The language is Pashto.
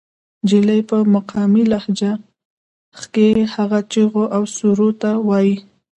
جلۍ پۀ مقامي لهجه کښې هغه چغو او سُورو ته وائي